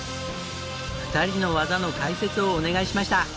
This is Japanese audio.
２人の技の解説をお願いしました。